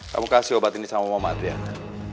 kamu kasih obat ini sama mama adriana